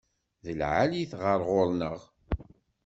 D lεali-t ɣer ɣur-neɣ.